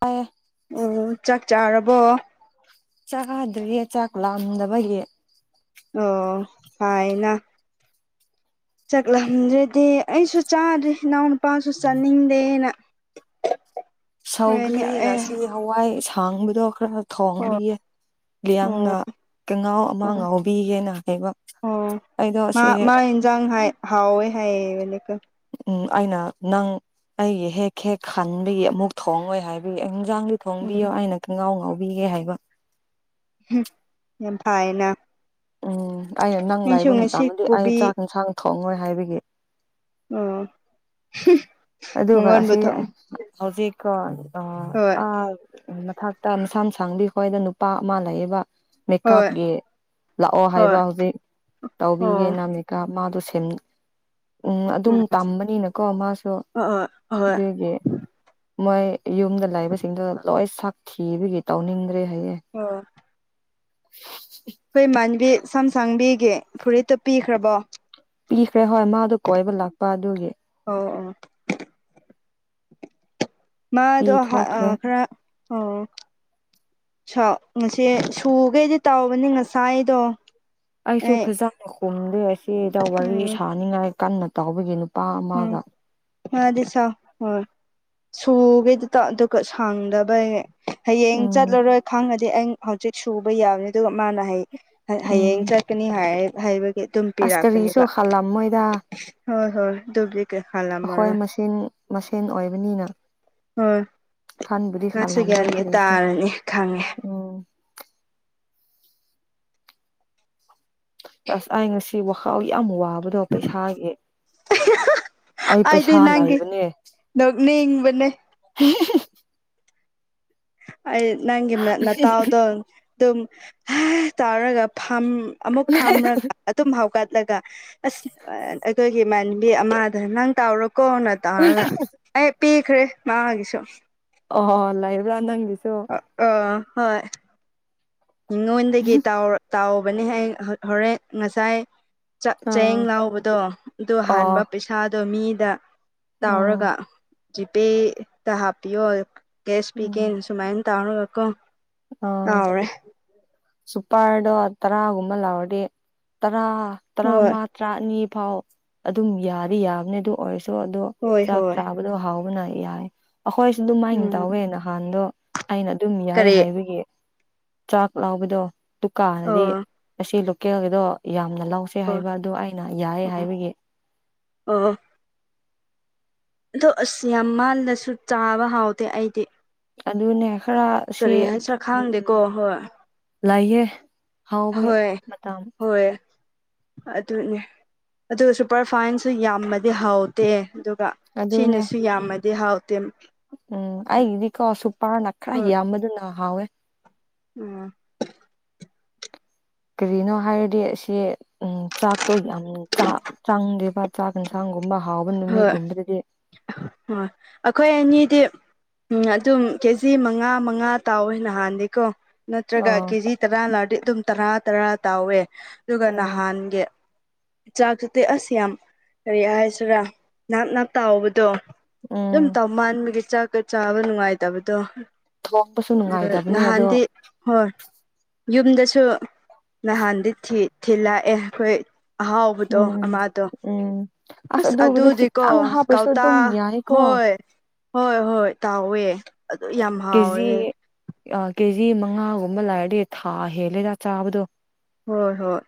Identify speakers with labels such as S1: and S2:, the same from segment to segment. S1: ꯑꯌꯦ
S2: ꯑꯣ ꯆꯥꯛ ꯆꯥꯔꯕꯣ
S1: ꯆꯥꯗ꯭ꯔꯌꯦ ꯆꯥꯛ ꯂꯥꯑꯝꯗꯕꯒꯤ
S2: ꯑꯣ ꯐꯥꯏꯅ ꯆꯥꯛꯂꯝꯗ꯭ꯔꯗꯤ ꯑꯩꯁꯨ ꯆꯥꯗ꯭ꯔꯦ ꯏꯅꯥꯎ ꯅꯨꯄꯥꯁꯨ ꯆꯥꯅꯤꯡ ꯑꯗꯨꯦꯅ
S1: ꯁꯧꯒ꯭ꯔꯤ ꯉꯁꯤ ꯍꯋꯥꯏ ꯁꯥꯡꯕꯗꯣ ꯈꯔ ꯊꯡꯕꯤꯌꯦ
S2: ꯑꯣ
S1: ꯂꯩꯌꯥꯡꯅ ꯀꯉꯥꯎ ꯑꯃ
S2: ꯑꯣ
S1: ꯉꯥꯎꯕꯤꯒꯦꯅ ꯍꯥꯏꯕ
S2: ꯑꯣ
S1: ꯑꯩꯗꯣ
S2: ꯃꯥ
S1: ꯁꯤ
S2: ꯃꯥ ꯌꯦꯟꯁꯥꯡ ꯍꯥꯏ ꯍꯥꯎ ꯍꯥꯏꯌꯦꯀ
S1: ꯎꯝ ꯑꯩꯅ ꯅꯪ ꯑꯩꯒꯤ ꯍꯦꯛ ꯍꯦꯛ ꯈꯟꯕꯒꯤ ꯑꯃꯨꯛ ꯊꯣꯡꯉꯣꯏ ꯍꯥꯏꯕꯒꯤ ꯑꯩ ꯏꯟꯖꯥꯡ ꯂꯤ ꯊꯣꯡꯕꯤꯌꯣ
S2: ꯎꯝ
S1: ꯑꯩꯅ ꯈꯣꯡꯒꯥꯎ ꯉꯥꯎꯕꯤꯒꯦ ꯍꯥꯏꯕ
S2: ꯌꯥꯝ ꯐꯥꯏꯅ
S1: ꯎꯝ ꯑꯩꯅ ꯅꯪ
S2: ꯑꯩꯁꯨ
S1: ꯂꯥꯏꯕ ꯑꯃ
S2: ꯉꯁꯤ
S1: ꯇꯥꯃꯗꯤ ꯑꯩ
S2: ꯀꯣꯕꯤ
S1: ꯆꯥꯛ ꯏꯟꯁꯥꯡ ꯊꯣꯡꯉꯣꯏ ꯍꯥꯏꯕꯒꯤ
S2: ꯑꯣ
S1: ꯑꯗꯨꯒ
S2: ꯃꯪꯒꯣꯟꯕꯨ
S1: ꯁꯤ
S2: ꯊꯣꯡ
S1: ꯍꯧꯖꯤ ꯀ ꯑ
S2: ꯍꯣꯏ
S1: ꯑ ꯎ ꯃꯊꯛꯇ ꯃꯁꯥ ꯃꯁꯥꯡꯕꯤ ꯑꯩꯈꯣꯏꯗ ꯅꯨꯄꯥ ꯑꯃ ꯂꯩꯕ
S2: ꯍꯣꯏ
S1: ꯃꯦꯀꯞꯀꯤ ꯂꯥꯛꯑꯣ
S2: ꯍꯣꯏ
S1: ꯍꯥꯏꯕ ꯍꯧꯖꯤꯛ ꯇꯧꯕꯤꯒꯦ
S2: ꯑꯣ
S1: ꯅꯅꯥꯃꯤꯀꯥ ꯃꯥꯗ ꯁꯦꯝ ꯎꯝ ꯑꯗꯨꯝ ꯇꯝꯕꯅꯤꯅꯀꯣ ꯃꯥꯁꯨ
S2: ꯑꯣ ꯍꯣꯏ ꯑꯣ
S1: ꯑꯗꯨꯒꯤ ꯃꯣꯏ ꯌꯨꯝꯗ ꯂꯩꯕꯁꯤꯡꯗꯣ ꯂꯣꯏ ꯁꯛ ꯊꯤꯕꯒꯤ ꯇꯧꯅꯤꯡꯗ꯭ꯔꯦ ꯍꯥꯏꯌꯦꯡ
S2: ꯑꯣ
S1: [unintelligible]
S2: ꯑꯩꯈꯣꯏ ꯃꯥꯟꯕꯤ ꯁꯝꯁꯥꯡꯕꯤꯒꯤ ꯐꯨꯔꯤꯠꯇꯣ ꯄꯤꯈ꯭ꯔꯕꯣ
S1: ꯄꯤꯈ꯭ꯔꯦ ꯍꯣꯏ ꯃꯥꯗꯨꯣ ꯀꯣꯏꯕ ꯂꯥꯛꯄ ꯑꯗꯨꯒꯤ
S2: ꯑꯣ ꯑꯣ ꯃꯥꯗꯣ
S1: ꯄꯤꯊꯣꯛꯈ꯭ꯔꯦ
S2: ꯈꯔ ꯑꯣ ꯁ ꯉꯁꯦ ꯁꯨꯈꯩꯗꯤ ꯇꯥꯎꯕꯅꯤ ꯉꯁꯥꯏ ꯑꯩꯗꯣ
S1: ꯑꯩꯁꯨ ꯐꯖꯥꯅ ꯈꯨꯝꯗꯦ ꯑꯁꯤꯗ ꯋꯥꯔꯤ
S2: ꯎꯝ
S1: ꯁꯥꯅꯤꯡꯉꯥꯏ ꯀꯟꯅ ꯇꯥꯎꯕꯒꯦ ꯅꯨꯄꯥ ꯑꯃꯒ
S2: ꯉꯗꯤ ꯁꯥ ꯍꯣꯏ ꯁꯨꯒꯦꯗꯨꯇ ꯑꯗꯨꯒ ꯁꯥꯡꯗꯕꯩ ꯍꯌꯦꯡ
S1: ꯎꯝ
S2: ꯆꯠꯂꯔꯣꯏ ꯈꯪꯉꯗꯤ ꯑꯩ ꯍꯧꯖꯤꯛ ꯁꯨꯕ ꯌꯥꯕꯅꯤ ꯑꯗꯨꯒ ꯃꯥꯅ ꯍꯌꯦ ꯍꯌꯦꯡ
S1: ꯎꯝ
S2: ꯆꯠꯀꯅꯤ ꯍꯥꯏꯕꯒꯤ ꯑꯗꯨꯝ
S1: ꯑꯁ ꯀꯔꯤꯁꯨ
S2: ꯄꯤꯔꯛꯄꯅꯦꯕ
S1: ꯈꯜꯂꯝꯃꯣꯏꯗ
S2: ꯍꯣꯏ ꯍꯣꯏ ꯗ ꯀꯦ ꯈꯝꯔ
S1: ꯑꯩꯈꯣꯏ ꯃꯁꯦꯟ ꯃꯁꯦꯟ ꯑꯣꯏꯕꯅꯤꯅ
S2: ꯍ
S1: ꯈꯟꯕꯨꯗꯤ ꯈꯜꯂꯝꯃꯣꯏ
S2: ꯉꯥꯁꯤꯨꯒꯅꯤ
S1: ꯀꯔꯤꯁꯨ
S2: ꯇꯥꯔꯅꯤ ꯈꯪꯉꯦ
S1: ꯎꯝ ꯑꯁ ꯑꯩꯥꯏ ꯉꯁꯤ ꯋꯥꯈꯥꯎ ꯌꯥꯝ ꯋꯥꯕꯗꯣ ꯄꯩꯁꯥꯒꯤ ꯑꯩ
S2: ꯑꯩꯗꯤ
S1: ꯄꯩꯁꯥ
S2: ꯅꯪꯒꯤ
S1: ꯅꯥꯏꯕꯅꯦ
S2: ꯅꯣꯛꯅꯤꯡꯕꯅꯦ ꯑꯩ ꯅꯪꯒꯤ ꯃ ꯅꯠꯇꯥꯎꯗꯣ ꯑꯗꯨ ꯇꯥꯎꯔꯒ ꯑꯃꯨꯛ ꯐꯝꯔꯒ ꯑꯗꯨꯝ ꯍꯥꯎꯒꯠꯂꯒ ꯑꯁ ꯑꯩꯈꯣꯏꯒꯤ ꯏꯃꯥꯟꯕꯤ ꯑꯃꯗ ꯅꯪ ꯇꯥꯎꯔꯛꯄ ꯀꯣꯟꯅ ꯇꯥꯔꯒ ꯑꯩ ꯄꯤꯈ꯭ꯔꯦ ꯃꯥꯃꯒꯤꯁꯨ
S1: ꯑꯣ ꯂꯥꯏꯕ꯭ꯔꯥ ꯅꯪꯒꯤꯁꯨ
S2: ꯑ ꯍꯣꯏ ꯃꯤꯉꯣꯟꯗꯒꯤ ꯇꯧꯕꯅꯦ ꯑꯩ ꯍꯣꯔꯦꯟ ꯉꯁꯥꯏ ꯆꯦꯡ
S1: ꯑꯥ
S2: ꯂꯥꯎꯕꯗꯣ ꯑꯗꯨ
S1: ꯑꯣ
S2: ꯍꯥꯟꯕ ꯄꯩꯁꯥꯗꯣ ꯃꯤꯗ
S1: ꯎꯝ
S2: ꯇꯧꯔꯒ ꯖꯤꯄꯦꯗ ꯍꯥꯞꯄꯤꯌꯣ ꯀꯦꯁ
S1: ꯎꯝ
S2: ꯄꯤꯒꯦꯅ ꯁꯨꯃꯥꯏꯅ ꯇꯧꯔꯒꯀꯣ ꯇꯥꯎꯔꯦ
S1: ꯁꯨꯄꯥꯔꯗꯣ ꯇꯔꯥꯒꯨꯝꯕ ꯂꯥꯛꯑꯣꯗꯤ ꯇꯔꯥ
S2: ꯍꯣꯏ
S1: ꯇꯔꯥꯃ ꯇꯔꯥ ꯑꯅꯤ ꯐꯥꯎ ꯑꯗꯨꯝ ꯌꯥꯗꯤ ꯌꯥꯕꯅꯦ ꯑꯗꯨ ꯑꯣꯏꯔꯁꯨ ꯑꯗꯣ
S2: ꯍꯣꯏ
S1: ꯆꯥꯛ
S2: ꯍꯣꯏ
S1: ꯍꯥꯎꯕꯅ ꯌꯥꯏ ꯑꯩꯈꯣꯏꯁꯨ ꯑꯗꯨꯝꯃꯥꯏꯅ
S2: ꯎꯝ
S1: ꯇꯧꯋꯦ ꯅꯍꯥꯟꯗꯣ ꯑꯩꯅ ꯑꯗꯨꯝ ꯌꯥꯏ
S2: ꯀꯔꯤ
S1: ꯍꯥꯏꯕꯒꯤ ꯆꯥꯛ ꯂꯥꯎꯕꯗꯣ ꯗꯨꯀꯥꯟꯅꯗꯤ
S2: ꯑꯣ
S1: ꯑꯁꯤ ꯂꯣꯀꯦꯜꯒꯤꯗꯣ ꯌꯥꯝꯅ ꯂꯧꯁꯦ
S2: ꯑꯣ
S1: ꯍꯥꯏꯕ ꯑꯗꯨꯗꯣ ꯑꯩꯅ ꯌꯥꯏ
S2: ꯑꯣ
S1: ꯍꯥꯏꯕꯒꯤ
S2: ꯑꯣ ꯑꯗꯣ ꯑꯁ ꯌꯥꯝ ꯃꯥꯜꯂꯁꯨ ꯆꯥꯕ ꯍꯥꯎꯗꯦ ꯑꯩꯗꯤ
S1: ꯑꯗꯨꯅꯦ ꯈꯔ ꯁꯤ
S2: ꯀꯔꯤ ꯍꯥꯏꯁꯔꯥ ꯈꯥꯡꯗꯦꯀꯣ ꯍꯣꯏ
S1: ꯂꯩꯌꯦ ꯍꯥꯎꯕꯒꯤ
S2: ꯍꯣꯏ
S1: ꯃꯇꯝ
S2: ꯍꯣꯏ ꯑꯗꯨꯅꯦ ꯑꯗꯨꯒ ꯁꯨꯄꯔ ꯐꯥꯏꯟꯁꯨ ꯌꯥꯝꯃꯗꯤ ꯍꯥꯎꯗꯦ ꯑꯗꯨꯒ
S1: ꯑꯗꯨꯅꯦ
S2: ꯁꯤꯅꯁꯨ ꯌꯥꯝꯃꯗꯤ ꯍꯥꯎꯇꯦ
S1: ꯎꯝ ꯑꯩꯒꯤꯗꯤꯀꯣ ꯁꯨꯄꯥꯅ ꯈꯔ
S2: ꯍꯣꯏ
S1: ꯌꯥꯝꯌꯥꯝꯕꯗꯨꯅ ꯍꯥꯎꯋꯦ
S2: ꯎꯝ
S1: ꯀꯔꯤꯅꯣ ꯍꯥꯏꯔꯗꯤ ꯑꯁꯤ ꯆꯥꯛꯇꯣ ꯌꯥꯝ ꯆꯥꯡꯗꯦꯕ ꯆꯥꯛ ꯌꯦꯟꯁꯥꯡꯒꯨꯝꯕ ꯍꯥꯎꯕ
S2: ꯍꯣꯏ
S1: ꯅꯨꯃꯤꯠꯒꯨꯝꯕꯗꯗꯤ
S2: ꯍꯣꯏ ꯑꯩꯈꯣꯏ ꯑꯅꯤꯗꯤ ꯎꯝ ꯑꯗꯨꯝ ꯀꯦꯖꯤ ꯃꯉꯥ ꯃꯉꯥ ꯇꯧꯋꯦ ꯅꯍꯥꯟꯗꯤꯀꯣ ꯅꯠꯇ꯭ꯔꯒ
S1: ꯑꯥ
S2: ꯀꯦꯖꯤ ꯇꯔꯥꯅꯗꯤ ꯑꯗꯨꯝ ꯇꯔꯥ ꯇꯔꯥ ꯇꯧꯋꯦ ꯑꯗꯨꯒ
S1: ꯎꯝ
S2: ꯅꯍꯥꯟꯒꯤ ꯆꯥꯛꯇꯗꯤ ꯑꯁ ꯌꯥꯝ ꯀꯔꯤ ꯍꯥꯏꯁꯤꯔꯥ ꯅꯥꯞ ꯅꯥꯞ ꯇꯧꯕꯗꯣ
S1: [unintelligible]
S2: ꯑꯗꯨꯝ ꯇꯧ ꯃꯥꯟꯃꯤꯒꯤ ꯆꯥꯛꯀ ꯆꯥꯕ ꯅꯨꯡꯉꯥꯏꯇꯕꯗꯣ
S1: ꯊꯣꯡꯕꯁꯨ
S2: ꯑ
S1: ꯅꯨꯡꯉꯥꯏꯇꯕꯅꯦ ꯑꯗꯣ
S2: ꯅꯍꯥꯟꯗꯤ ꯍꯣꯏ ꯌꯨꯝꯗꯁꯨ ꯅꯍꯥꯟꯗꯤ ꯊꯤꯜꯂꯛꯑꯦ ꯑꯩꯈꯣꯏ ꯑꯍꯥꯎꯕꯗꯣ
S1: ꯎꯝ
S2: ꯑꯃꯗꯣ
S1: ꯎꯝ
S2: ꯑꯁ
S1: ꯑꯗꯨꯕꯨꯗꯤ
S2: ꯑꯗꯨꯗꯤꯀꯣ
S1: ꯈꯤꯇꯪ ꯍꯥꯞꯄ꯭ꯔꯁꯨ
S2: ꯀꯧꯇꯥ
S1: ꯑꯗꯨꯝ ꯌꯥꯏꯀꯣ
S2: ꯍꯣꯏ ꯍꯣꯏ ꯍꯣꯏ ꯇꯧꯋꯦ
S1: ꯀꯦꯖꯤ ꯀꯦꯖꯤ ꯃꯉꯥꯒꯨꯝꯕ ꯂꯥꯛꯔꯗꯤ ꯊꯥ ꯍꯦꯜꯂꯦꯗ ꯆꯥꯕꯗꯣ
S2: ꯍꯣꯏ ꯍꯣꯏ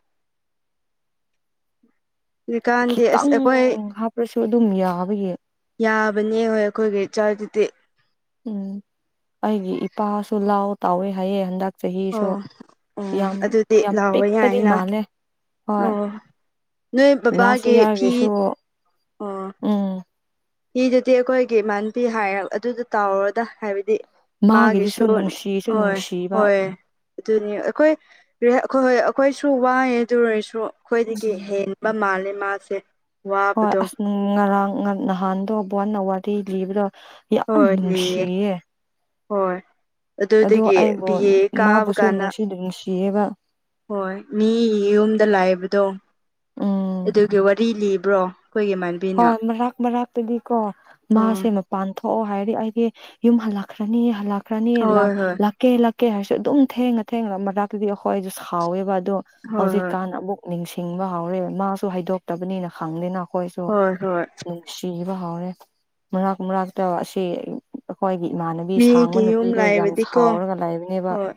S2: ꯍꯧꯖꯤꯛꯀꯥꯟꯗꯤ ꯑꯁ
S1: ꯈꯤꯇꯪ
S2: ꯑꯩꯈꯣꯏ
S1: ꯍꯥꯞꯄ꯭ꯔꯁꯨ ꯑꯗꯨꯝ ꯌꯥꯕ
S2: ꯌꯥꯕꯅꯦ ꯍꯣꯏ ꯑꯩꯈꯣꯏꯒꯤ ꯆꯔꯗꯤ
S1: ꯎꯝ ꯑꯩꯒꯤ ꯏꯄꯥꯁꯨ ꯂꯥꯎ ꯇꯥꯎꯋꯦ ꯍꯥꯏꯌꯦ ꯍꯟꯗꯛ ꯆꯍꯤꯁꯨ
S2: ꯑꯣ ꯑꯣ
S1: ꯌꯥꯝ
S2: ꯑꯗꯨꯗꯤ
S1: ꯌꯥꯝ
S2: ꯂꯥꯎꯕ
S1: ꯄꯤꯛꯄꯗꯤ
S2: ꯌꯥꯏꯅ
S1: ꯃꯥꯜꯂꯦ ꯍꯣꯏ
S2: ꯑꯣ ꯅꯣꯏ
S1: ꯂꯥꯁ
S2: ꯕꯕꯥꯒꯤ
S1: ꯏꯌꯥꯔꯒꯤꯁꯨ
S2: ꯐꯤ
S1: ꯎꯝ
S2: ꯍꯤꯗꯨꯗꯤ ꯑꯩꯈꯣꯏꯒꯤ ꯏꯃꯥꯟꯕꯤ ꯍꯥꯏꯔ ꯑꯗꯨꯗ ꯇꯥꯎꯔꯣꯗ ꯍꯥꯏꯕꯗꯤ ꯃꯥꯒꯤ ꯏꯁꯨ
S1: ꯃꯥꯒꯤꯗꯨꯁꯨ ꯅꯨꯡꯁꯤꯁꯨ
S2: ꯍꯣꯏ
S1: ꯅꯨꯡꯁꯤꯕ
S2: ꯍꯣꯏ ꯑꯗꯨꯅꯤ ꯑꯩꯈꯣꯏ ꯍꯣꯏ ꯍꯣꯏ ꯑꯩꯈꯣꯏꯁꯨ ꯋꯥꯉꯦ ꯑꯗꯨꯔꯁꯨ ꯑꯩꯈꯣꯏꯗꯒꯤ
S1: ꯎꯝ
S2: ꯍꯦꯟꯅ ꯃꯥꯅꯦ ꯃꯥꯁꯦ
S1: ꯍꯣꯏ
S2: ꯋꯥꯕꯗꯣ
S1: ꯑꯁ ꯉꯔꯥꯡ ꯅꯍꯥꯟꯗꯣ ꯕꯅ ꯋꯥꯔꯤ ꯂꯤꯕꯗꯣ ꯌꯥꯝ
S2: ꯍꯣꯏ ꯂꯩꯌꯦ
S1: ꯅꯨꯡꯁꯤꯌꯦ
S2: ꯍꯣꯏ
S1: ꯑꯗꯣ
S2: ꯑꯗꯨꯗꯒꯤ
S1: ꯑꯩꯕꯨ
S2: ꯕꯤ ꯑꯦ ꯀꯥꯕ
S1: ꯃꯥꯕꯨꯁꯨ
S2: ꯀꯥꯟꯗ
S1: ꯅꯨꯡꯁꯤ ꯅꯨꯡꯁꯤꯌꯦꯕ
S2: ꯍꯣꯏ ꯃꯤ ꯌꯨꯝꯗ ꯂꯥꯛꯕꯗꯣ
S1: ꯎꯝ
S2: ꯑꯗꯨꯒꯤ ꯋꯥꯔꯤ ꯂꯤꯕ꯭ꯔꯣ ꯑꯩꯈꯣꯏꯒꯤ
S1: ꯍꯣꯏ
S2: ꯏꯃꯥꯟꯕꯤꯅ
S1: ꯃꯔꯥꯛ ꯃꯔꯥꯛꯇꯨꯗꯤꯀꯣ
S2: ꯎꯝ
S1: ꯃꯥꯁꯦ ꯄꯥꯟꯊꯣꯛꯑꯣ ꯍꯥꯏꯔꯗꯤ ꯑꯩꯗꯤ ꯌꯨꯝ ꯍꯜꯂꯛꯈ꯭ꯔꯅꯤ ꯍꯜꯂꯛꯈ꯭ꯔꯅꯤ
S2: ꯍꯣꯏ ꯍꯣꯏ
S1: ꯂꯛꯀꯦ ꯂꯛꯀꯦ ꯍꯥꯏꯔꯁꯨ ꯑꯗꯨꯝ ꯊꯦꯡꯉ ꯊꯦꯡꯉꯅ ꯃꯥꯛꯛꯇꯨꯗꯤ ꯑꯩꯈꯣꯏ ꯑꯩꯁꯨ ꯁꯥꯎꯋꯦꯕ ꯑꯗꯣ
S2: ꯍꯣꯏ ꯍꯣꯏ
S1: ꯍꯧꯖꯤꯛꯀꯥꯟꯅ ꯑꯃꯨꯛ ꯅꯤꯡꯁꯤꯡꯕ ꯍꯧꯔꯦꯕ ꯃꯥꯁꯨ ꯍꯩꯗꯣꯛꯇꯕꯅꯤꯅ ꯈꯪꯗꯦꯅ ꯑꯩꯈꯣꯏꯁꯨ
S2: ꯍꯣꯏ ꯍꯣꯏ
S1: ꯁꯤꯕ ꯍꯧꯥꯎꯔꯦ ꯃꯔꯥꯛ ꯃꯥꯛꯛꯇ ꯑꯁꯤ ꯑꯩꯈꯣꯏꯒꯤ ꯏꯃꯥꯟꯅꯕꯤ ꯁꯥꯡꯕ
S2: ꯃꯤꯒꯤ ꯌꯨꯝ
S1: ꯅꯨꯄꯤꯗꯣ ꯌꯥꯝ
S2: ꯂꯥꯛꯏꯕꯗꯤꯀꯣ
S1: ꯁꯥꯎꯔꯒ ꯂꯩꯕꯅꯦꯕ ꯂ
S2: ꯍꯣꯏ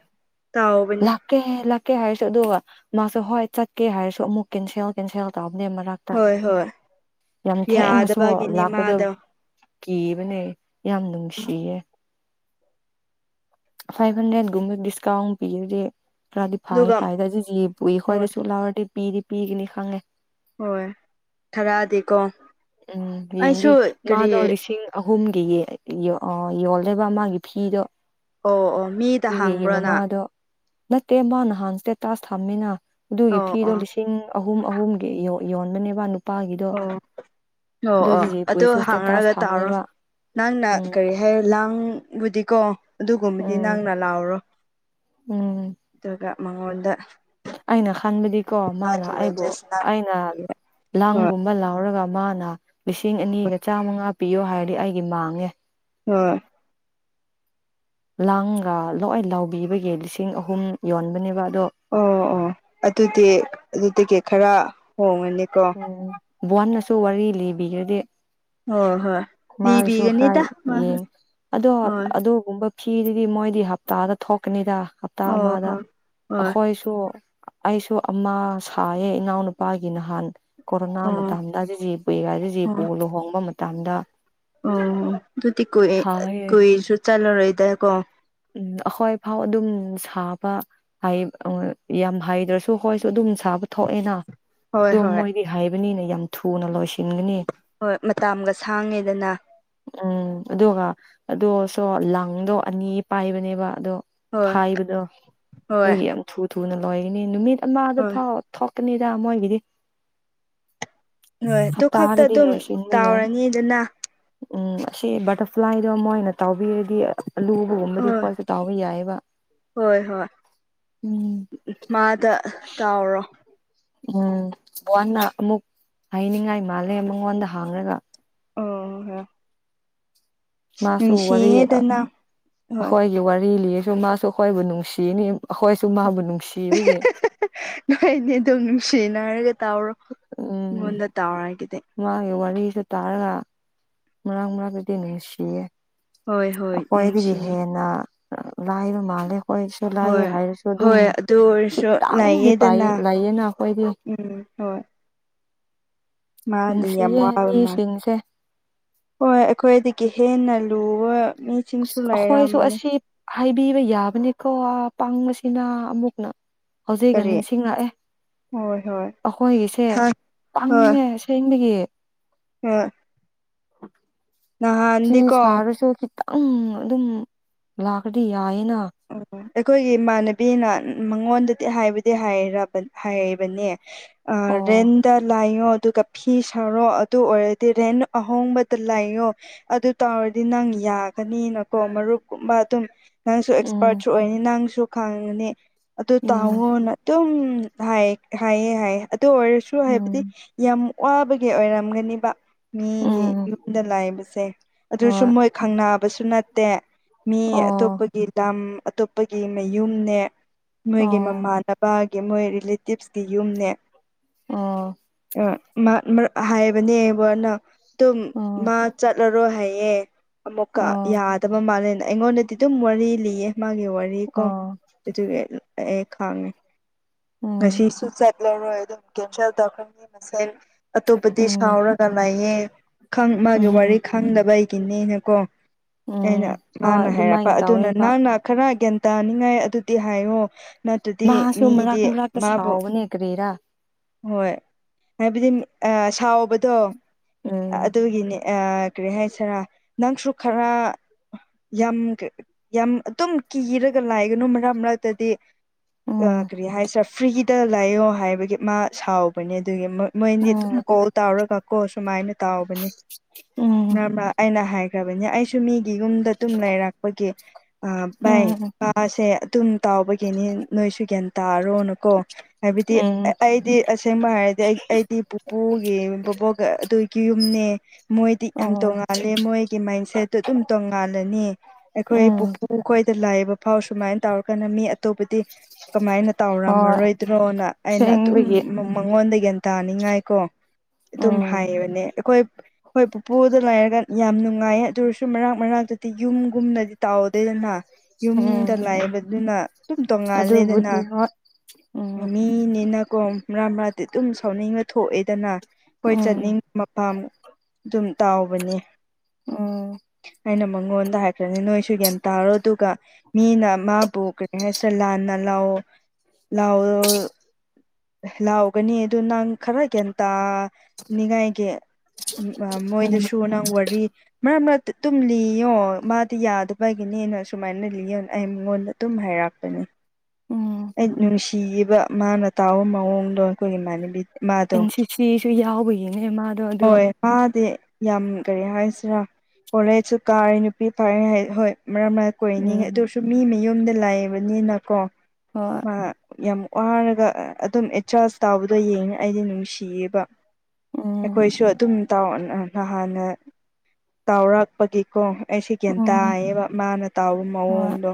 S2: ꯇꯥꯎꯕꯅꯦ
S1: ꯂꯥꯛꯀꯦ ꯂꯥꯛꯀꯦ ꯍꯥꯏꯔꯁꯨ ꯑꯗꯨꯒ ꯃꯥꯁꯨ ꯍꯣꯏ ꯆꯠꯀꯦ ꯍꯥꯏꯔꯁꯨ ꯑꯃꯨꯛ ꯀꯦꯟꯁꯦꯜ ꯀꯦꯟꯁꯦꯜ ꯇꯕꯅꯦ ꯃꯔꯛ
S2: ꯍꯣꯏ ꯍꯣꯏ
S1: ꯌꯥꯝ ꯊꯦꯡꯉꯁꯨ
S2: ꯌꯥꯗꯕꯒꯤꯅꯦ
S1: ꯂꯥꯛꯄꯗ
S2: ꯃꯥꯗꯣ
S1: ꯀꯤꯕꯅꯦ ꯌꯥꯝ ꯅꯨꯡꯁꯤꯌꯦ ꯐꯥꯏꯚ ꯍꯟꯗ꯭ꯔꯦꯠꯒꯨꯝꯕ ꯗꯤꯁꯀꯥꯎꯟ ꯄꯤꯒꯗꯗꯤ ꯇꯗꯤ ꯐꯥꯏ
S2: ꯑꯗꯨꯒ
S1: ꯐꯥꯏꯗꯖꯤ ꯄꯨꯏ ꯈ꯭ꯣꯏꯗ
S2: ꯍꯣꯏ
S1: ꯁꯨ ꯂꯥꯎꯔꯗꯤ ꯄꯤꯗꯤ ꯄꯤꯒꯅꯤ ꯈꯪꯉꯦ
S2: ꯍꯣꯏ ꯈꯔꯗꯤꯀꯣ
S1: ꯎꯝ ꯌꯦꯡꯗꯤ
S2: ꯑꯩꯁꯨ ꯀꯔꯤ
S1: ꯃꯥꯗꯣ ꯂꯤꯁꯤꯡ ꯑꯍꯨꯝꯒꯤ ꯌꯣꯂꯕ ꯃꯥꯒꯤ ꯐꯤꯗꯣ
S2: ꯑꯣ ꯑꯣ ꯃꯤ
S1: ꯦꯗꯤꯒꯤ ꯃꯃꯥꯗꯣ ꯅꯠꯇꯦ ꯃꯥ ꯅꯍꯥꯟꯁꯇꯦ ꯇꯥꯁ ꯊꯝꯃꯤꯅ ꯑꯗꯨꯒꯤ
S2: ꯑꯣ
S1: ꯐꯤꯗꯣ
S2: ꯑꯣ
S1: ꯂꯤꯁꯤꯡ ꯑꯍꯨꯝ ꯑꯍꯨꯝꯒꯤ ꯌꯣꯟꯕꯅꯦꯕ ꯅꯨꯄꯥꯒꯤꯗꯣ
S2: ꯑꯣ ꯑꯣ
S1: ꯑꯗꯣ
S2: ꯑꯣ ꯑꯗꯨꯣ
S1: ꯖꯤꯖꯦꯄꯨꯔꯤꯁꯨ ꯁ꯭ꯇꯦꯇꯥꯁ
S2: ꯍꯥꯡꯉꯔꯒ ꯇꯥꯔꯣ
S1: ꯊꯝꯃꯦꯕ
S2: ꯅꯪꯅ
S1: ꯎꯝ
S2: ꯀꯔꯤ ꯍꯦ ꯂꯥꯡꯕꯨꯗꯤ ꯀꯣ ꯑꯗꯨꯒꯨꯝꯕꯗꯤ
S1: ꯎꯝ
S2: ꯅꯪꯅ ꯂꯥꯎꯔꯣ
S1: ꯎꯝ
S2: ꯑꯗꯨꯒ ꯃꯉꯣꯟꯗ
S1: ꯑꯩꯅ ꯈꯟꯕꯗꯤꯀꯣ ꯃꯥꯅ
S2: ꯃꯥꯒꯤ
S1: ꯑꯩꯕꯨ
S2: ꯋꯦꯗ꯭ꯔꯦꯁ ꯅꯪꯅ
S1: ꯑꯩꯅ
S2: ꯄꯤꯌꯦ ꯍꯣꯏ
S1: ꯂꯪꯒꯨꯝꯕ ꯂꯧꯥꯎꯔꯒ ꯃꯥꯅ ꯂꯤꯁꯤꯡ ꯑꯅꯤꯒ ꯆꯥꯃꯉꯥ ꯄꯤꯌꯣ ꯍꯥꯏꯔꯗꯤ ꯑꯩꯒꯤ ꯃꯥꯡꯉꯦ
S2: ꯍ
S1: ꯂꯥꯡꯒ ꯂꯣꯏ ꯂꯥꯎꯕꯤꯕꯒꯤ ꯂꯤꯁꯤꯡ ꯑꯍꯨꯝ ꯌꯣꯟꯕꯅꯦꯕ ꯑꯗꯣ
S2: ꯑꯣ ꯑꯣ ꯑꯗꯨꯗꯤ ꯑꯗꯨ ꯇꯤꯀꯦꯠ ꯈꯔ ꯍꯣꯡꯉꯅꯤꯀꯣ
S1: ꯕꯣꯟꯅꯁꯨ ꯋꯥꯔꯤ ꯂꯤꯕꯤꯈ꯭ꯔꯗꯤ
S2: ꯍꯣꯏ ꯍꯣꯏ
S1: ꯃꯥꯒꯤꯁꯨ ꯈꯔ
S2: ꯂꯤꯕꯤꯒꯅꯤꯗ ꯃꯥꯁꯨ
S1: ꯌꯦꯡꯉ ꯑꯗꯣ
S2: ꯍꯣꯏ
S1: ꯑꯗꯨꯒꯨꯝꯕ ꯐꯤꯗꯨꯗꯤ ꯃꯣꯏꯗꯤ ꯍꯞꯇꯥꯗ ꯊꯣꯛꯀꯅꯤꯗ ꯍꯞꯇꯥ
S2: ꯑꯣ
S1: ꯑꯃꯗ
S2: ꯍꯣꯏ ꯍꯣꯏ
S1: ꯑꯩꯈꯣꯏ ꯁꯨ ꯑꯩꯁꯨ ꯑꯃ ꯁꯥꯏꯌꯦ ꯏꯅꯥꯎꯅꯨꯄꯥꯒꯤ ꯅꯍꯥꯟ ꯀꯣꯔꯣꯅꯥ
S2: ꯑꯣ
S1: ꯃꯇꯝꯗ ꯍꯧꯖꯤꯖꯤꯏꯖꯤ
S2: ꯑꯣ
S1: ꯂꯨꯍꯣꯡꯕ ꯃꯇꯝꯗ
S2: ꯑꯣ ꯑꯗꯨꯗꯤ ꯀꯨ
S1: ꯁꯥꯏꯌꯦ
S2: ꯀꯨꯏꯔꯁꯨ ꯆꯜꯂꯔꯣꯏꯗ ꯀꯣ
S1: ꯎꯝ ꯑꯩꯈꯣꯏꯐꯥꯎ ꯑꯗꯨꯝ ꯁꯥꯕ ꯌꯥꯝ ꯍꯩꯗ꯭ꯔꯁꯨ ꯍꯣꯏꯁꯨ ꯑꯗꯨꯝ ꯁꯥꯕ ꯊꯣꯛꯑꯦꯅ
S2: ꯍꯣꯏ
S1: ꯑꯗꯣ
S2: ꯍꯣꯏ
S1: ꯃꯣꯏꯗꯤ ꯍꯥꯏꯕꯅꯤꯅ ꯌꯥꯝ ꯊꯨꯅ ꯂꯣꯏꯁꯤꯟꯒꯅꯤ
S2: ꯍꯣꯏ ꯃꯇꯥꯒ ꯁꯥꯡꯉꯦꯗꯅ
S1: ꯎꯝ ꯑꯗꯨꯒ ꯑꯗꯨꯣꯁꯨꯣ ꯂꯪꯗꯣ ꯑꯅꯤ ꯄꯥꯏꯕꯅꯦꯕ ꯑꯗꯣ
S2: ꯍꯣꯏ
S1: ꯐꯥꯏꯕꯗꯣ
S2: ꯍꯣꯏ
S1: ꯑꯗꯨꯒꯤ ꯌꯥꯝ ꯊꯨ ꯊꯨꯅ ꯂꯣꯏꯒꯅꯤ ꯅꯨꯃꯤꯠ ꯑꯃꯗ
S2: ꯍꯣꯏ
S1: ꯐꯥꯎ ꯊꯣꯛꯅꯤꯗꯥ ꯃꯣꯏꯒꯤꯗꯤ
S2: ꯍꯣꯏ ꯑꯗꯨ ꯈꯛꯇ
S1: ꯍꯞꯇꯥꯗꯗꯤ
S2: ꯑꯗꯨꯝ
S1: ꯂꯣꯏ ꯁꯤꯟꯕ ꯌꯥꯏ
S2: ꯇꯥꯎꯔꯅꯤꯗꯅ
S1: ꯎꯝ ꯑꯁꯤ ꯕꯇꯔꯐ꯭ꯂꯥꯏꯗꯣ ꯃ‌ꯣꯏꯅ ꯇꯥꯎꯕꯤꯔꯗꯤ ꯑꯂꯨꯕꯒꯨꯝꯕ ꯗꯤ
S2: ꯍꯣꯏ
S1: ꯈ꯭ꯋꯥꯏꯁꯨ ꯇꯥꯎꯕ ꯌꯥꯏ ꯌ‌ꯦꯕ
S2: ꯍꯣꯏ ꯍꯣꯏ ꯃꯥꯗ ꯇꯥꯎꯔꯣ
S1: ꯎꯝ ꯋꯥꯟꯅ ꯑꯃꯨꯛ ꯍꯥꯏꯅꯤꯡꯉꯥꯏ ꯃꯥꯜꯂꯦ ꯃꯉꯣꯟꯗ ꯍꯥꯡꯔꯒ
S2: [unintelligible]
S1: ꯃꯥꯁꯨ ꯋꯥꯔꯤ
S2: ꯅꯨꯡꯁꯤꯌꯦꯗꯅ ꯍꯣꯏ
S1: ꯑꯩꯈꯣꯏꯒꯤ ꯋꯥꯔꯤ ꯂꯤꯔꯁꯨ ꯃꯥꯁꯨ ꯑꯩꯈꯣꯏꯕꯨ ꯅꯨꯡꯁꯤꯅꯤ ꯑꯩꯈꯣꯏꯁꯨ ꯃꯥꯕꯨ ꯅꯨꯡꯁꯤꯕꯒꯤ
S2: ꯅꯣꯏ ꯅꯤ ꯑꯗꯨꯝ ꯅꯨꯡꯁꯤꯅꯔꯒ ꯇꯥꯎꯔꯣ
S1: ꯎꯝ
S2: ꯑꯩꯉꯣꯟꯗ ꯇꯥꯎꯔꯒꯗꯤ
S1: ꯃꯥꯒꯤ ꯋꯥꯔꯤꯁ‌ꯦ ꯇꯥꯔꯒ ꯃꯔꯥꯡ ꯃꯔꯛꯇꯗꯤ ꯅꯨꯡꯁꯤꯌꯦ
S2: ꯍꯣꯏ ꯍꯣꯏ
S1: ꯑꯩꯈꯣꯏꯗꯒꯤ
S2: ꯅꯨꯡꯁꯤ
S1: ꯍꯦꯟꯅ ꯂꯥꯏꯕ ꯃꯥꯜꯂꯦ ꯑꯈꯣꯏꯁꯨ ꯂꯥꯏꯌ‌ꯦ
S2: ꯍꯣꯏ
S1: ꯍꯥꯏꯔꯁꯨ ꯑꯗꯨꯝ
S2: ꯍꯣꯏ ꯑꯗꯨ ꯑꯣꯏꯔꯁꯨ
S1: ꯈꯤꯇꯪꯗꯤ
S2: ꯂꯩꯌꯦꯗꯅ
S1: ꯄꯥꯏꯌꯦ ꯂꯩꯌꯦꯅ ꯑꯩꯈꯣꯏꯗꯤ
S2: ꯎꯝ ꯍꯣꯏ꯫ ꯃꯥꯗꯤ ꯌꯥꯝ
S1: ꯅꯨꯡꯁꯤꯌꯦ
S2: ꯋꯥꯕ ꯃꯥ
S1: ꯃꯤꯁꯤꯡꯁꯦ
S2: ꯍꯣꯏ ꯑꯩꯈꯣꯏꯗꯒꯤ ꯍꯦꯟꯅ ꯂꯨꯕ ꯃꯤ
S1: ꯑꯩꯈꯣꯏꯁꯨ ꯑꯁꯤ ꯍꯥꯏꯕꯤꯕ ꯌꯥꯕꯅꯤꯀꯣ ꯄꯪꯡꯕꯁꯤꯅ ꯑꯃꯨꯛꯅ ꯍꯧꯖꯤꯛꯒ
S2: ꯀꯔꯤ
S1: ꯅꯤꯡꯁꯤꯡꯉꯛꯑꯦ
S2: ꯍꯣꯏ ꯍꯣꯏ
S1: ꯑꯩꯈꯣꯏꯒꯤꯁꯦ
S2: ꯍꯣꯏ
S1: ꯄꯪꯉ‌ꯦ꯫ ꯐ‌‌ꯦꯡꯗꯒꯤ
S2: [unintelligible]
S1: ꯁꯤ
S2: ꯅꯍꯥꯟꯗꯤꯀꯣ
S1: ꯁꯥꯔꯁꯨ ꯈꯤꯇꯪ ꯑꯗꯨꯝ ꯂꯥꯛꯄꯗꯤ ꯌꯥꯏꯌꯦꯅ꯫
S2: [unintelligible] ꯑꯩꯈꯣꯏꯒꯤ ꯏꯃꯥꯟꯅꯕꯤꯅ ꯃꯉꯣꯟꯗꯗꯤ ꯍꯥꯏꯕꯨꯗꯤ ꯍꯥꯏꯔꯕ ꯍꯥꯏꯕꯅꯦ꯫ ꯑ
S1: ꯑꯣ
S2: ꯔꯦꯗ ꯂꯩꯌ‌ꯣ ꯑꯗꯨ ꯀꯞ ꯐꯤ ꯁꯥꯔꯣ ꯑꯗꯨ ꯑꯣꯏꯔꯗꯤ ꯔꯦꯟ ꯑꯍꯣꯡꯕꯗ ꯂꯩꯏꯌꯣ꯫ ꯑꯗꯨ ꯇꯧꯔꯗꯤ ꯅꯪ ꯌꯥꯒꯅꯤꯅꯀꯣ ꯃꯔꯨꯞꯀꯨꯝꯕ ꯑꯗꯨꯝ ꯅꯪꯁꯨ
S1: ꯎꯝ
S2: ꯄꯥꯔꯠꯁꯨ ꯑꯣꯏꯅꯤ ꯅꯪꯁꯨ ꯈꯥꯡꯒꯅꯤ ꯑꯗꯨ
S1: ꯎꯝ
S2: ꯇꯥꯉꯣꯅ ꯑꯗꯨꯝ ꯍꯥꯏ ꯍꯥꯏꯌꯦ ꯍꯥꯏꯌꯦ ꯑꯗꯨ ꯑꯣꯏꯔꯁꯨ ꯍꯥꯏꯕꯗꯤ
S1: ꯎꯝ
S2: ꯌꯥꯝ ꯋꯥꯕꯒꯤ ꯑꯣꯏꯔꯝꯒꯅꯤꯕ꯫ ꯃꯤꯒꯤ
S1: ꯎꯝ
S2: ꯌꯨꯝꯗ ꯂꯩꯕꯁꯦ ꯑꯗꯨꯁꯨ
S1: ꯍꯣꯏ
S2: ꯃꯣꯏ ꯈꯪꯕꯁꯨ ꯅꯠꯇꯦ꯫ ꯃꯤ
S1: ꯑꯣ
S2: ꯑꯇꯣꯞꯄꯒꯤ ꯂꯝ ꯑꯇꯣꯞꯄꯒꯤ ꯃꯌꯨꯝꯅꯦ ꯃꯣꯏꯒꯤ
S1: ꯑꯣ
S2: ꯃꯃꯥꯟ ꯄꯥꯒꯤ ꯃꯣꯏ ꯔꯤꯂꯦꯇꯤꯞꯁꯀꯤ ꯌꯨꯝꯅꯦ꯫
S1: ꯑꯣ꯫
S2: ꯑ ꯃꯥ ꯃꯔꯛ ꯍꯥꯏꯕꯅꯦ ꯕ ꯅ‌ꯪ ꯇꯨꯝ
S1: ꯑꯣ
S2: ꯃꯥ ꯆꯠꯂ ꯔꯣꯏ ꯍꯥꯏꯌꯦ ꯑꯃꯨꯛꯀ
S1: ꯑꯣ
S2: ꯌꯥꯗꯕ ꯃꯥꯜꯂꯦꯅ ꯑꯩꯉꯣꯟꯗꯗꯤ ꯑꯗꯨꯝ ꯋꯥꯔꯤ ꯂꯤꯌꯦ ꯃꯥꯒꯤ ꯋꯥꯔꯤ꯫ ꯔꯤꯀꯣ
S1: ꯑꯣ
S2: ꯑꯥꯗꯨꯒꯤ ꯑꯩ ꯈꯪꯉꯦ
S1: ꯎꯝ
S2: ꯉꯥꯁꯤꯁꯨ ꯆꯠ ꯂꯧꯔꯣꯏ ꯑꯗꯨꯝ ꯀꯦꯟꯁꯦꯜ ꯇꯧꯀ꯭ꯔꯅꯤ ꯉꯁꯥꯏ ꯑꯇꯣꯞꯄꯗꯤ
S1: ꯎꯝ
S2: ꯁꯥꯎꯔꯒ ꯂꯩꯌꯦ꯫ ꯈꯪ ꯃꯥꯒꯤ ꯋꯥꯔꯤ
S1: ꯎꯝ
S2: ꯈꯪꯗꯕꯩꯒꯤ ꯅꯦꯅꯀꯣ ꯑꯩꯅ
S1: ꯎꯝ ꯍꯣꯏ
S2: ꯃꯥꯅ ꯍꯥꯏꯔꯛꯄ
S1: ꯑꯗꯨꯃꯥꯏꯅ
S2: ꯑꯗꯨꯅ
S1: ꯇꯧꯋꯦꯕ
S2: ꯅꯪꯅ ꯈꯔ ꯒ꯭ꯌꯥꯟ ꯇꯥꯅꯤꯡꯉꯥꯏ ꯑꯗꯨꯗꯤ ꯍꯥꯏꯌꯣ꯫ ꯅꯠꯇꯗꯤ
S1: ꯃꯥꯁꯨ
S2: ꯃꯤꯗꯤ
S1: ꯃꯔꯛ ꯃꯔꯛꯇ
S2: ꯃꯥꯕꯨ
S1: ꯁꯥꯎꯕꯅꯦ ꯀꯔꯤꯔꯥ
S2: ꯍꯣꯏ ꯍꯥꯏꯕꯗꯤ ꯑ ꯁꯥꯎꯕꯗꯣ
S1: ꯎꯝ
S2: ꯑꯗꯨꯒꯤꯅꯦ꯫ ꯑꯥ ꯀꯔꯤ ꯍꯥꯏꯁꯤꯔꯥ ꯅꯪꯁꯨ ꯈꯔ ꯌꯥꯝ꯫ ꯌꯥꯝ ꯑꯗꯨꯝ ꯀꯤꯔꯒ ꯉꯥꯏꯒꯅꯨ ꯃꯔꯛ ꯃꯔꯛꯇꯗꯤ ꯑ
S1: ꯎꯝ
S2: ꯀꯔꯤ ꯍꯥꯏ ꯁꯤꯔ ꯐ꯭ꯔꯤꯗ ꯂꯥꯏꯌꯣ ꯍꯥꯏꯕꯒꯤ ꯃꯥ ꯁꯥꯎꯕꯅꯦ ꯑꯗꯨꯒꯤ ꯃꯣꯏ ꯑꯅꯤ ꯑꯗꯨꯝ
S1: ꯎꯝ
S2: ꯀꯣꯜ ꯇꯥꯎꯔꯒ ꯀꯣ ꯁꯨꯃꯥꯏꯅ ꯇꯥꯎꯕꯅꯦ
S1: ꯎꯝ
S2: ꯃꯔꯥ ꯃꯔꯥ ꯑꯩꯅ ꯍꯥꯏꯈ꯭ꯔꯕꯅ‌ꯦ ꯑꯩꯁꯨ ꯃꯤꯒꯤ ꯌꯨꯝꯗ ꯑꯗꯨꯨꯝ ꯂꯩꯔꯛꯄꯒꯤ ꯑ ꯚꯥꯏ
S1: ꯎꯝ
S2: ꯃꯥꯁꯦ ꯑꯗꯨꯝ ꯇꯥꯎꯕꯒꯤꯅꯤ ꯅꯣꯏꯁꯨ ꯒ꯭ꯌꯥꯟ ꯇꯥꯔꯣꯅꯀꯣ ꯍꯥꯏꯕꯗꯤ
S1: ꯎꯝ
S2: ꯑꯩꯗꯤ ꯑꯁꯦꯡꯕ ꯍꯥꯏꯔꯗꯤ ꯑꯩ ꯑꯩꯗꯤ ꯄꯨꯄꯨꯒꯤ ꯕꯣꯕꯣꯛꯒ ꯑꯗꯨꯒꯤ ꯌꯨꯝꯅꯦ ꯃꯣꯏꯗꯤ ꯌꯥꯝ
S1: ꯑꯣ
S2: ꯇꯣꯉꯥꯂꯦ ꯃꯣꯏꯒꯤ ꯃꯥꯏꯟ ꯁꯦꯠꯇꯨ ꯑꯗꯨꯝ ꯇꯣꯡꯉꯥꯜꯂꯅꯤ ꯑꯩꯈꯣꯏ ꯄꯨ ꯄꯨ
S1: ꯎꯝ
S2: ꯈꯣꯏꯗ ꯂꯥꯏꯕ ꯐꯥꯎ ꯁꯨꯃꯥꯏꯟ ꯇꯧꯔꯀꯥꯟ ꯃꯤ ꯑꯇꯣꯞꯄꯗꯤ ꯀꯃꯥꯏꯅ
S1: ꯍꯣꯏ
S2: ꯇꯥꯎꯔꯝꯃꯔꯣꯏꯗ꯭ꯔꯣꯅ ꯑꯩꯅ ꯑꯗꯨꯝ
S1: ꯁꯦꯡꯕꯒꯤ
S2: ꯃꯉꯣꯟꯗꯒꯤ ꯇꯥꯅꯤꯡꯉꯥꯏꯀꯣ ꯑꯗꯨꯝ
S1: ꯎꯝ
S2: ꯍꯥꯏꯕꯅꯦ ꯑꯩꯈꯣꯏ ꯍꯣꯏ ꯄꯨꯄꯨꯗ ꯂꯩꯥꯏꯔꯒ ꯌꯥꯝ ꯅꯨꯡꯉꯥꯏꯌꯦ ꯑꯗꯨ ꯑꯣꯏꯔꯁꯨ ꯃꯔꯛ ꯃꯔꯛꯇꯗꯤ ꯌꯨꯝꯒꯨꯝꯅꯗꯤ ꯇꯥꯎꯋ ꯑꯗꯨꯗꯅ ꯌꯨꯝꯗ
S1: ꯎꯝ
S2: ꯂꯥꯛꯕꯗꯨꯅ ꯑꯗꯨꯝ ꯇꯣꯡꯉꯥꯜꯂꯦꯗꯅ
S1: ꯑꯗꯨꯕꯨꯗꯤ ꯍꯣꯏ ꯎꯝ
S2: ꯀꯣꯝ ꯃꯔꯥ ꯃꯔꯥꯗꯤ ꯑꯗꯨꯝ ꯁꯥꯎꯅꯤꯡꯉ ꯊꯣꯛꯑꯦꯗꯅ ꯑꯩꯈꯣꯏ
S1: ꯎꯝ
S2: ꯆꯠꯅꯤꯡ ꯃꯄꯥꯝ ꯑꯗꯨꯝ ꯇꯥꯎꯕꯅꯦ꯫
S1: ꯎꯝ
S2: ꯑꯩꯅ ꯃꯉꯣꯟꯗ ꯍꯥꯏꯈ꯭ꯔꯅꯤ ꯅꯣꯏꯁꯨ ꯒꯌꯥꯟ ꯇꯥꯔꯣ ꯑꯗꯨꯒ ꯃꯤꯅ ꯃꯥꯕꯨ ꯀ꯭ꯔꯤ ꯍꯥꯏꯁꯤꯔ ꯂꯥꯟꯅ ꯂꯧꯎ ꯂꯑꯣ ꯂꯥꯎꯒꯅꯤ ꯑꯗꯨ ꯅꯪ ꯈꯔ ꯒ꯭ꯦꯟ ꯇꯥꯅꯤꯉꯥꯏꯒꯤ
S1: ꯎꯝ
S2: ꯃꯣꯏꯗꯁꯨ ꯅꯪ ꯋꯥꯔꯤ ꯃꯔꯛ ꯃꯔꯛ ꯇꯨꯝꯂꯤꯉꯣ ꯃꯥꯗꯤ ꯌꯥꯗ ꯑꯩꯒꯤꯅꯦꯅ ꯁꯨꯃꯥꯏꯅ ꯂꯤꯣꯟ ꯑꯩ ꯃꯉꯣꯟꯗ ꯑꯗꯨꯝ ꯍꯥꯏꯔꯛꯄꯅꯦ
S1: ꯎꯝ
S2: ꯑꯩ ꯅꯨꯡꯁꯤꯈꯤꯕ ꯃꯥꯅ ꯇꯥꯎꯕ ꯃꯑꯣꯡꯗꯣ ꯑꯩꯈꯣꯏꯒꯤ ꯏꯃꯥꯟꯅꯕꯤ
S1: ꯑꯦꯟ
S2: ꯃꯥꯗꯣ
S1: ꯁꯤ ꯁꯤꯁꯨ ꯌꯥꯎꯕꯒꯤꯅꯦ ꯃꯥꯗꯣ ꯑꯗꯨꯗ
S2: ꯍꯣꯏ ꯃꯥꯗꯤ ꯌꯥꯝ ꯀꯔꯤ ꯍꯥꯏꯁꯤꯔꯥ ꯀꯣꯂꯦꯖꯁꯨ ꯀꯥꯔꯦ ꯅꯨꯄꯤ ꯐꯔꯦ ꯍꯣꯏ ꯃꯔꯛ ꯃꯔꯛ ꯀꯣꯏꯅꯤ
S1: ꯎꯝ
S2: ꯑꯗꯨꯁꯨ ꯃꯤ ꯃꯌꯨꯝꯗ ꯂꯥꯛꯑꯕꯅꯤꯅꯀꯣ
S1: ꯍꯣꯏ
S2: ꯃꯥ ꯌꯥꯝ ꯋꯥꯔꯒ ꯑꯗꯨꯝ ꯑꯦꯠꯖꯥꯁ ꯇꯧꯕꯕꯗꯣ ꯌꯦꯡꯉꯦ ꯑꯩꯗꯤ ꯅꯨꯡꯁꯤꯌꯦꯕ
S1: ꯎꯝ
S2: ꯑꯩꯈꯣꯏꯁꯨ ꯑꯗꯨꯝ ꯅ ꯍꯥꯟꯅ ꯇꯥꯎꯔꯛ ꯀꯄꯒꯤꯀꯣ ꯑꯩꯁꯤ ꯒ꯭ꯌꯥꯟ
S1: ꯎꯝ
S2: ꯇꯥꯏꯌꯦꯕ ꯃꯥꯅ ꯇꯥꯎꯕ
S1: ꯍꯣꯏ
S2: ꯃꯑꯣꯡꯗꯣ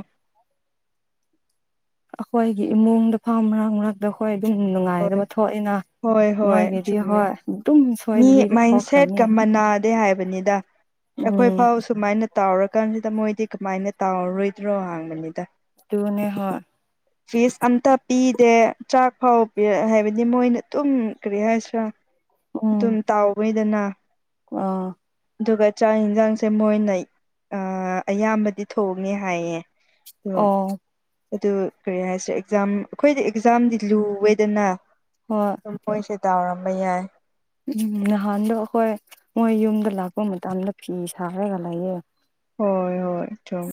S1: ꯑꯩꯈꯣꯏꯒꯤ ꯏꯃꯨꯡꯗ ꯐꯥ ꯃꯔꯥꯡ ꯃꯔꯥꯡ ꯑꯗꯣ ꯍꯈꯣꯏ ꯑꯗꯨꯝ ꯅꯨꯡꯉꯥꯏꯗꯕ ꯊꯣꯛꯏꯅ
S2: ꯍꯣꯏ ꯍꯣꯏ ꯆꯨꯝꯃꯦ ꯃꯤ
S1: ꯁꯣꯏꯗꯕꯤꯗ ꯊꯣꯛꯈ꯭ꯔꯅꯤ
S2: ꯃꯥꯏꯟꯁꯦꯠꯀ ꯃꯅꯥ ꯍꯥꯏꯕꯅꯤꯗ ꯑꯩꯈꯣꯏ
S1: ꯎꯝ
S2: ꯐꯥꯎ ꯁꯨꯃꯥꯏꯅ ꯇꯥꯎꯔꯀꯥꯟꯁꯤꯗ ꯃꯣꯏꯗꯤ ꯀꯃꯥꯏꯅ ꯇꯥꯎꯔꯔꯣꯏꯗ꯭ꯔꯣ ꯍꯥꯡꯕꯅꯤꯗ
S1: ꯇꯅꯦ ꯍꯣ
S2: ꯐꯤꯁ ꯑꯝꯇ ꯄꯤꯗꯦ ꯆꯥꯛꯐꯥꯎ ꯍꯥꯏꯕꯗꯤ ꯃꯣꯏꯅ ꯑꯗꯨꯝ ꯀꯔꯤ ꯍꯥꯏꯁꯤꯔꯥ ꯑꯗꯨꯝ ꯇꯥꯎꯕꯩꯗꯅ
S1: ꯑ
S2: ꯑꯗꯨꯒ ꯆꯥꯛ ꯌꯦꯟꯁꯥꯡꯁꯦ ꯃꯣꯏꯅ ꯑꯌꯥꯝꯕꯗꯤ ꯊꯣꯡꯉꯦ ꯍꯥꯏꯌꯦ ꯑꯗꯣ
S1: ꯑꯣ
S2: ꯑꯗꯨ ꯀꯔꯤ ꯍꯥꯏꯁꯦ ꯑꯦꯛꯖꯥꯝ ꯑꯩꯈꯣꯏꯗꯤ ꯑꯦꯛꯖꯥꯝꯗꯤ ꯂꯨꯋꯦꯗꯅ
S1: ꯍꯣꯏ
S2: ꯃꯣꯏꯁꯦ ꯇꯥꯎꯔꯝꯕ ꯌꯥꯏ
S1: ꯎꯝ ꯅꯍꯥꯟꯗꯣ ꯑꯩꯈꯣꯏ ꯃꯣꯏ ꯌꯨꯝꯗ ꯂꯥꯛꯄ ꯃꯇꯝꯗ ꯐꯤ ꯁꯥꯔꯒ ꯂꯩꯑ
S2: ꯍꯣꯏ ꯍꯣꯏ ꯆꯣꯡ